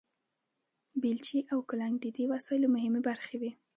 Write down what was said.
بیلچې او کلنګ د دې وسایلو مهمې برخې وې.